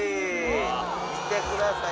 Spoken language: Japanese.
見てください